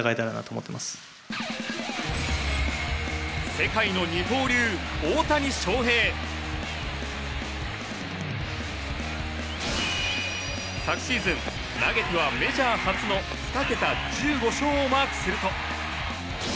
世界の二刀流昨シーズン投げてはメジャー初の２桁１５勝をマークすると。